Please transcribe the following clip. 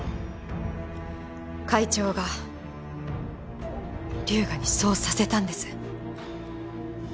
会長が龍河にそうさせたんです。